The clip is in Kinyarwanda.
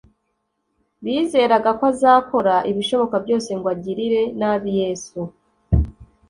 bizeraga ko azakora ibishoboka byose ngo agirire nabi yesu